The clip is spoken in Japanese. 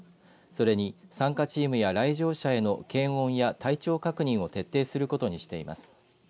それに参加チームや来場者への検温や体調確認を徹底することにしています。